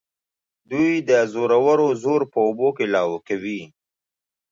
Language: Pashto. دوی د زورورو زور په اوبو کې لاهو کوي.